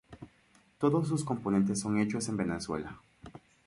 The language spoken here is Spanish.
Todos sus componentes son hechos en Venezuela.